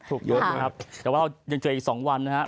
ถูกยกนะครับแต่ว่ายังเจออีก๒วันนะครับ